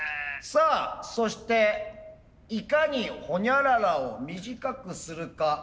さあそしていかにほにゃららを短くするか。